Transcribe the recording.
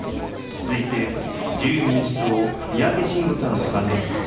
続いて自由民主党、三宅伸吾さんの関連質問です。